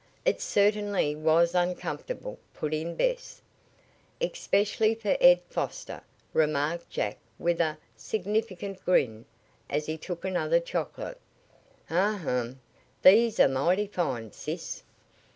"It certainly was uncomfortable," put in Bess. "Especially for Ed Foster," remarked Jack with a. significant grin as he took another chocolate. "Um um these are mighty fine, sis!"